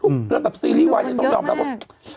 ถูกครับดูคนเยอะมาก